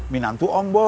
jangan ke ambe